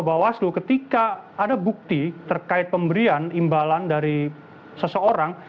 bawaslu ketika ada bukti terkait pemberian imbalan dari seseorang